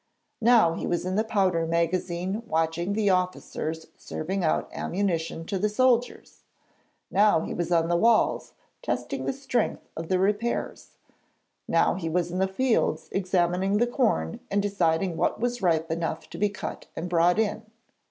Now he was in the powder magazine watching the officers serving out ammunition to the soldiers; now he was on the walls testing the strength of the repairs; now he was in the fields examining the corn and deciding what was ripe enough to be cut and brought in.